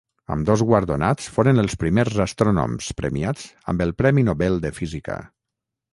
Ambdós guardonats foren els primers astrònoms premiats amb el Premi Nobel de Física.